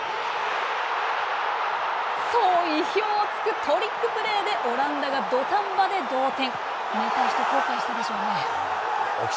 意表をつくトリックプレーでオランダが土壇場で同点。